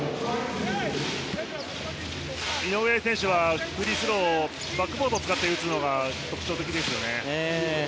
井上選手はフリースローバックボードを使って打つのが特徴的ですよね。